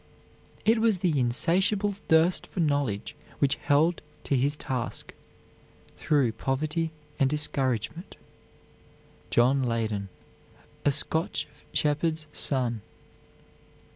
It was the insatiable thirst for knowledge which held to his task, through poverty and discouragement, John Leyden, a Scotch shepherd's son.